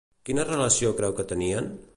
Quina relació creu que tenien?